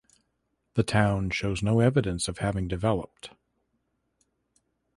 The town shows no evidence of having developed.